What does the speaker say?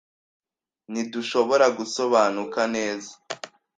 Ntidushobora gusobanuka neza.